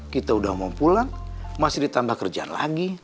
kita udah mau pulang masih ditambah kerjaan lagi